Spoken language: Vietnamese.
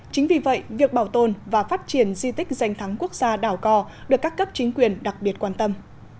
chính vì vậy việc bảo tồn và phát triển di tích danh thắng quốc gia đảo cò được các cấp chính quyền đặc biệt quan tâm